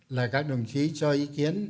là các đồng chí cho ý kiến